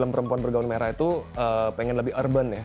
perempuan bergaun merah itu pengen lebih urban ya